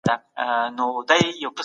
هغه د خپلې روغتیا په ساتلو بوخت دی.